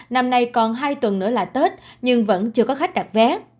năm nay còn hai tuần nữa là tết nhưng vẫn chưa có khách đặt vé